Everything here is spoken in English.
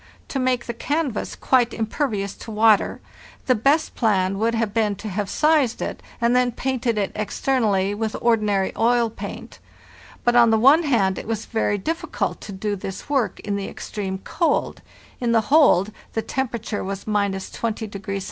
To make the canvas quite impervious to water, the best plan would have been to have sized it, and then painted it externally with or dinary oil paint; but, on the one hand, it was very dif ficult to do this work in the extreme cold (in the hold the temperature was —20 C.